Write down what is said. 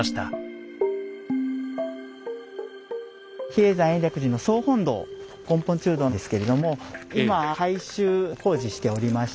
比叡山延暦寺の総本堂「根本中堂」ですけれども今改修工事しておりまして。